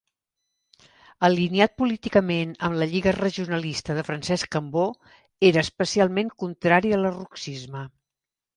Alineat políticament amb la Lliga Regionalista de Francesc Cambó, era especialment contrari al lerrouxisme.